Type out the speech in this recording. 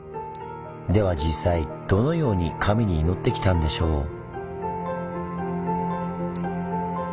では実際どのように神に祈ってきたんでしょう？